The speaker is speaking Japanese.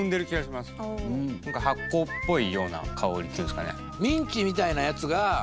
なんか発酵っぽいような香りっていうんですかね。